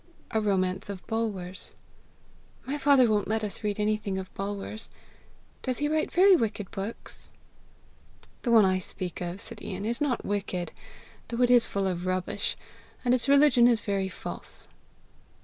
"A romance of Bulwer's." "My father won't let us read anything of Bulwer's. Does he write very wicked books?" "The one I speak of," said Ian, "is not wicked, though it is full of rubbish, and its religion is very false."